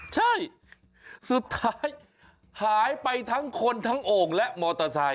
ใช่สุดท้ายหายไปทั้งคนทั้งโอ่งและมอเตอร์ไซค